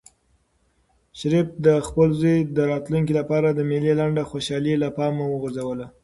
شریف د خپل زوی د راتلونکي لپاره د مېلې لنډه خوشحالي له پامه وغورځوله.